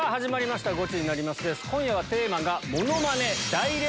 今夜はテーマが。